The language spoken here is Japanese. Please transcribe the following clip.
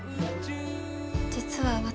実は私。